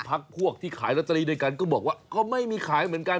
พักพวกที่ขายลอตเตอรี่ด้วยกันก็บอกว่าก็ไม่มีขายเหมือนกัน